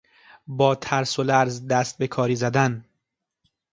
با ترس و لرز دست به کاری زدن